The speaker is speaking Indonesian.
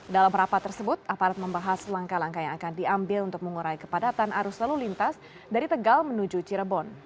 dalam rapat tersebut aparat membahas langkah langkah yang akan diambil untuk mengurai kepadatan arus lalu lintas dari tegal menuju cirebon